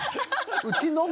うちのみ？